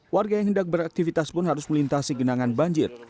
warga yang hendak beraktivitas pun harus melintasi genangan banjir